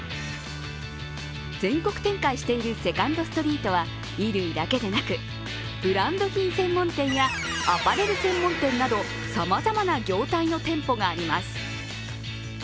全国展開しているセカンドストリートは衣類だけでなく、ブランド品専門店やアパレル専門店などさまざまな業態の店舗があります。